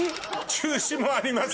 中止もあります